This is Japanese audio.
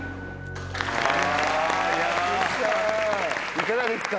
いかがですか？